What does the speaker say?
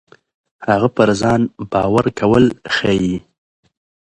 هغه پر ځان باور کول ښيي.